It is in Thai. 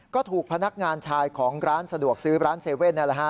ก็ถูกพนักงานชายของร้านสะดวกซื้อร้านเซเว่นนั่นแหละ